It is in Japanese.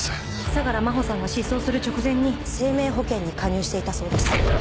相良真帆さんが失踪する直前に生命保険に加入していたそうです。